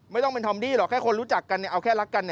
ไม่ต้องเป็นทอมดี้หรอกแค่คนรู้จักกันเนี่ยเอาแค่รักกัน